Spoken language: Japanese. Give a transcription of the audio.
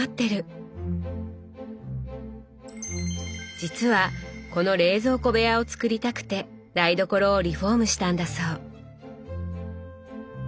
実はこの冷蔵庫部屋を作りたくて台所をリフォームしたんだそう。